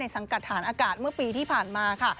ในศังกรรถานอากาศเมื่อปีที่ผ่านมา